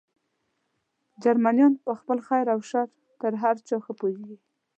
جرمنیان په خپل خیر او شر تر هر چا ښه پوهېږي.